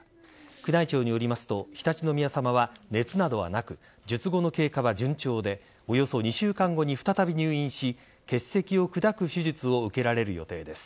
宮内庁によりますと常陸宮さまは熱などはなく術後の経過は順調でおよそ２週間後に再び入院し結石を砕く手術を受けられる予定です。